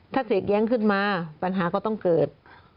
ถ้าเสกแย้งขึ้นมาปัญหาก็ต้องเกิด